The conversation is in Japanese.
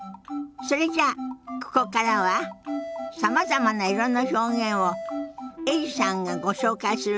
それじゃあここからはさまざまな色の表現をエリさんがご紹介するわよ。